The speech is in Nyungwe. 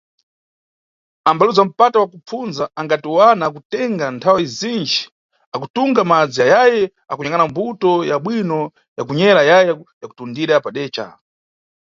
Ambaluza mpata wa kupfundza angati wana akutenga nthawe izinji akutunga madzi ayayi akunyangʼana mbuto ya bwino ya kunyera ayayi kutundira padeca.